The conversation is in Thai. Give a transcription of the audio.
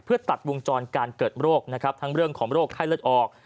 เพื่อตัดวงจรการเกิดโรคนะครับทั้งเรื่องของโรคไข้เลือดออก